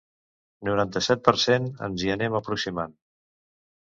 Noranta-set per cent Ens hi anem aproximant.